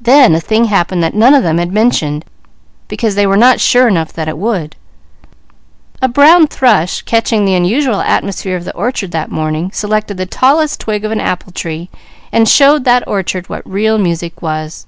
Then a thing happened that none of them had mentioned, because they were not sure enough that it would. A brown thrush, catching the unusual atmosphere of the orchard that morning, selected the tallest twig of an apple tree and showed that orchard what real music was.